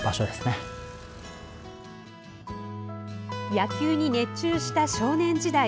野球に熱中した少年時代。